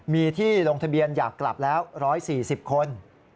มีที่ลงทะเบียนอยากกลับแล้ว๑๔๐คน